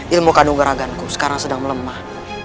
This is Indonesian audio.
ilmu kandung raganku sekarang sedang melemah